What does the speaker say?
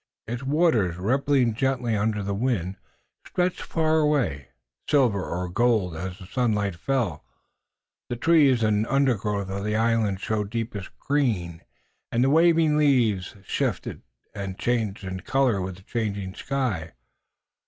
Its waters, rippling gently under the wind, stretched far away, silver or gold, as the sunlight fell. The trees and undergrowth on the islands showed deepest green, and the waving leaves shifted and changed in color with the changing sky.